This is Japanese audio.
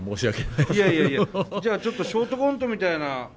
いやいやいやじゃあちょっとショートコントみたいな。